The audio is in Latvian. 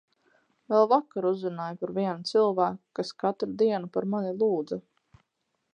Vēl vakar uzzināju par vienu cilvēku, kas katru dienu par mani lūdza.